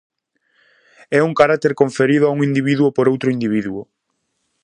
É un carácter conferido a un individuo por outro individuo.